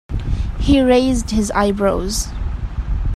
He raised his eyebrows.